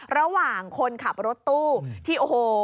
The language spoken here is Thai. ระหว่างคนขับรถตู้ที่โอ้โห